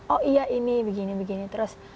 oh iya ini begini begini terus